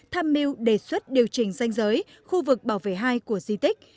tham mưu đề xuất điều chỉnh danh giới khu vực bảo vệ hai của di tích